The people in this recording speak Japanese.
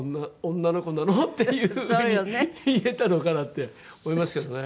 女の子なの？」っていう風に見えたのかなって思いますけどね。